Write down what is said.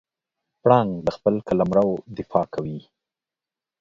پړانګ د خپل قلمرو دفاع کوي.